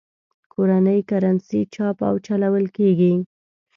کورنۍ کرنسي چاپ او چلول کېږي.